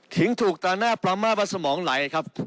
ถึงถูกตาหน้าปลามาสมองไหลครับ